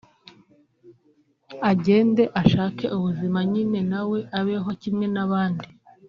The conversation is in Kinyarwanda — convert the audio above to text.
agende ashake ubuzima nyine na we abeho kimwe n’abandi